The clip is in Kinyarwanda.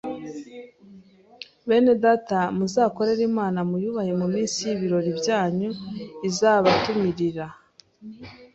bene data muzakorere Imana muyubahe ku munsi w’ibirori byanyu izabatumirira